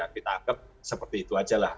kita anggap seperti itu aja lah